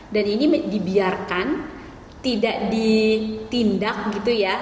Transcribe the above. dan ini dibiarkan tidak ditindak gitu ya